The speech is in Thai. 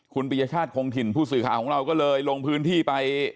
คุณปริยชาติคงถิ่นผู้สื่อข่าวของเราก็เลยลงพื้นที่ไป